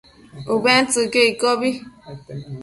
Ubentsëcquio iccobi